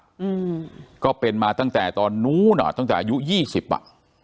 อืมก็เป็นมาตั้งแต่ตอนนู้นอ่ะตั้งแต่อายุยี่สิบอ่ะ